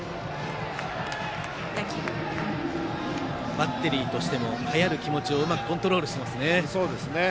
バッテリーとしてもはやる気持ちうまくコントロールしていますね。